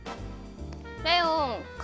レオン！か